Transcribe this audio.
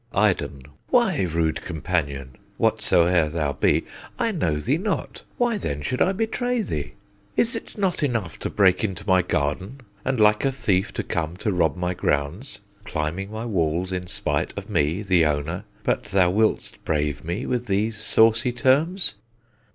Iden. Why, rude companion, whatsoe'er thou be, I know thee not; why then should I betray thee? Is't not enough, to break into my garden, And like a thief to come to rob my grounds, Climbing my walls in spite of me, the owner, But thou wilt brave me with these saucy terms?